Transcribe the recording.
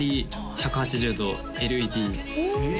１８０度ＬＥＤえ